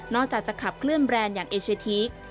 จากจะขับเคลื่อแบรนด์อย่างเอเชียทีก